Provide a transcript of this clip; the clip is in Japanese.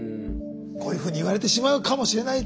こういうふうに言われてしまうかもしれないと。